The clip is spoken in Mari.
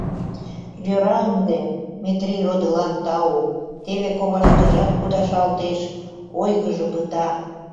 Йӧра ынде, Метрий родылан тау, теве коваштыжат кудашалтеш — ойгыжо пыта.